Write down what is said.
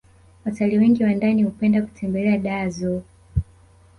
watalii wengi wa ndani hupenda kutembelea dar zoo